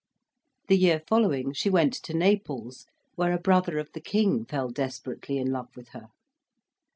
The year following she went to Naples, where a brother of the King fell desperately in love with her.